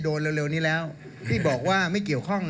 ครอบครัว